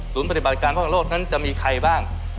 ศูนย์ปฏิบัติการป้องกันโลกนั้นจะมีใครบ้าง